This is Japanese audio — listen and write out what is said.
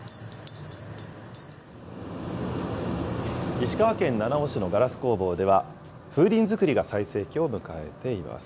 石川県七尾市のガラス工房では、風鈴作りが最盛期を迎えています。